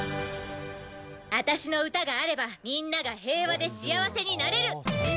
私の歌があればみんなが平和で幸せになれる。